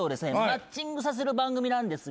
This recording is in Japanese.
マッチングさせる番組なんですが。